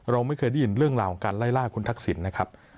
เราไม่เคยได้ยินเรื่องราวของการไล่ล่าคุณทักษิณนะครับ